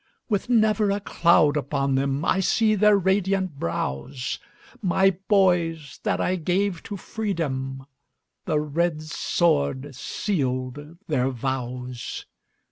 With never a cloud upon them, I see their radiant brows; My boys that I gave to freedom, The red sword sealed their vows!